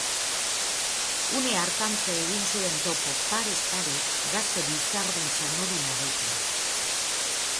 Une hartantxe egin zuen topo, parez pare, gazte bizardun txanodunarekin.